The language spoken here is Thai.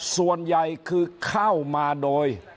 ส่วนใหญ่คือเข้ามาโดย